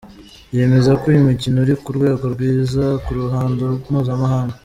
Yemeza ko uyu mukino uri ku rwego rwiza ku ruhando mpuzamahanga.